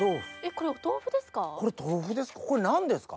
これ豆腐ですか？